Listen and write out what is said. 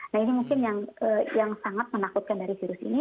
nah ini mungkin yang sangat menakutkan dari virus ini